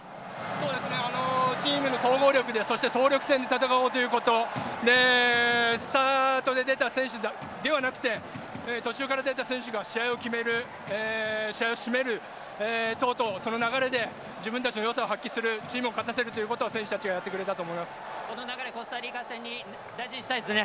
そうですね、チームの総合力で総力戦で戦おうということでスタートで出た選手ではなくて途中から出た選手が試合を決める試合を締める等々、その流れで自分たちのよさを発揮するチームを勝たせるということを選手たちがこの流れ、コスタリカ戦に大事にしたいですね。